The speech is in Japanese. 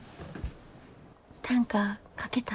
短歌書けた？